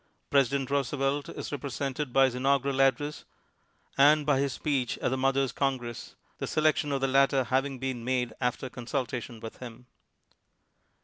Presi dent Roosevelt is represented by his inaugural address and by his speech at the Mothers' Con gress, the selection of the latter having been made after consultation with him.